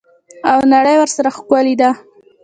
او نړۍ ورسره ښکلې ده.